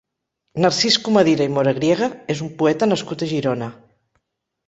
Narcís Comadira i Moragriega és un poeta nascut a Girona.